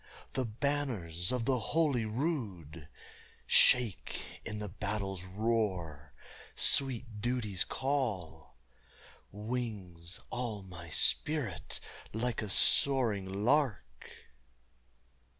the banners of the holy rood Shake in the battle's roar; sweet duty's call Wings all my spirit like a soaring lark.